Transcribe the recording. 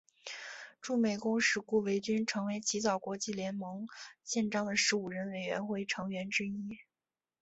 驻美公使顾维钧成为起草国际联盟宪章的十五人委员会成员之一。